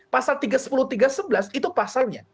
pasal tiga puluh tiga sebelas itu pasalnya